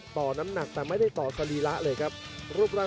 ชัมเปียร์ชาเลน์